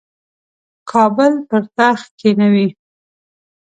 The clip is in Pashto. کابل پر تخت کښېنوي.